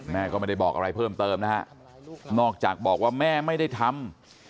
แม่ก็ไม่ได้บอกอะไรเพิ่มเติมนะฮะนอกจากบอกว่าแม่ไม่ได้ทำ